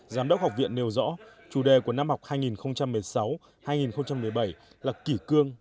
giám đốc học viện nêu rõ chủ đề của năm học hai nghìn một mươi sáu hai nghìn một mươi bảy là kỷ cương